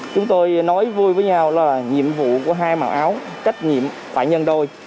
chúng tôi nói vui với nhau là nhiệm vụ của hai màu áo trách nhiệm phải nhân đôi